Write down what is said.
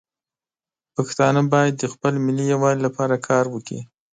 پښتانه باید د خپل ملي یووالي لپاره کار وکړي.